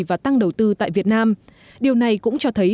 và tăng đầu tư tại việt nam điều này cũng cho thấy